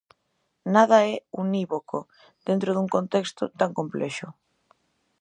Nada é unívoco dentro dun contexto tan complexo.